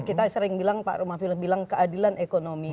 kita sering bilang pak rumafil bilang keadilan ekonomi